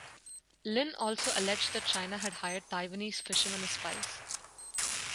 Lin also alleged that China had hired Taiwanese fishermen as spies.